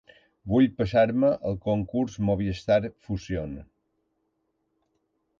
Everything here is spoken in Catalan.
Vull passar-me al concurs Movistar Fusión.